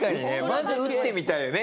まず打ってみたいよね